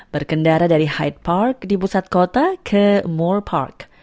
berkendara dari hyde park di pusat kota ke more park